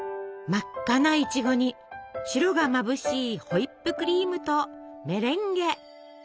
真っ赤ないちごに白がまぶしいホイップクリームとメレンゲ！